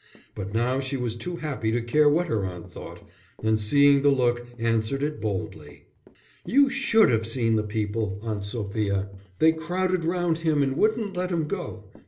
But now she was too happy to care what her aunt thought, and seeing the look, answered it boldly. "You should have seen the people, Aunt Sophia. They crowded round him and wouldn't let him go.